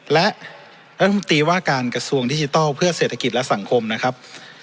และรัฐมนตรีว่าการกระทรวงดิจิทัลเพื่อเศรษฐกิจและสังคมนะครับ